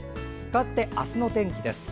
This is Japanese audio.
かわって明日の天気です。